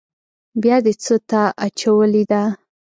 بيا دې څاه ته اچولې ده.